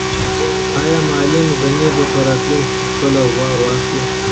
آیا معلم غني به په راتلونکي کې خپله غوا واخلي؟